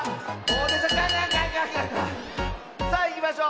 さあいきましょう。